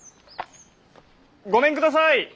ごめんください。